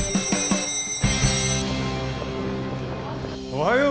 おはよう！